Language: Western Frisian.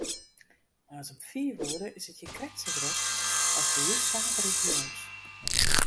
Moarns om fiif oere is it hjir krekt sa drok as by ús saterdeitejûns.